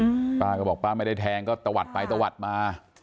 อืมป้าก็บอกป้าไม่ได้แทงก็ตะวัดไปตะวัดมา